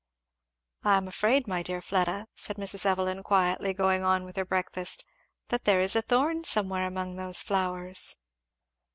"I am afraid, my dear Fleda," said Mrs. Evelyn quietly going on with her breakfast, "that there is a thorn somewhere among those flowers."